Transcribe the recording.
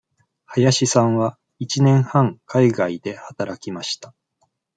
林さんは一年半海外で働きました。